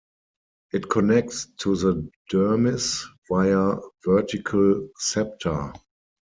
It connects to the dermis via vertical septa.